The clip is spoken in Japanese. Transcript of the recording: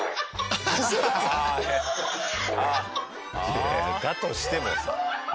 いやいやだとしてもさ。